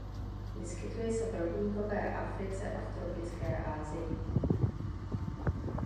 Vyskytuje se v rovníkové Africe a v tropické Asii.